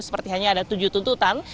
seperti hanya ada tujuh tuntutan